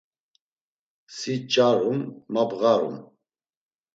Si ç̌arum, ma bğarum.